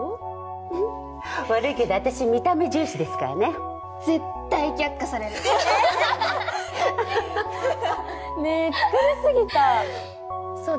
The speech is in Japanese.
ふふ悪いけど私見た目重視ですからね・絶対却下されるね作りすぎたそうだ